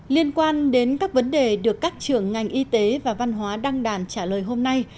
liên quan đến các vấn đề được các trưởng ngành y tế và văn hóa đăng đàn trả lời hôm nay